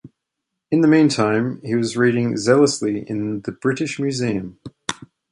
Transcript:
In the meantime, he was reading zealously in the British Museum.